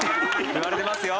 言われてますよ。